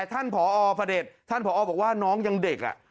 แต่ท่านถ้าพออพอเด็ดท่านบอกว่าน้องยังเด็กอ่ะ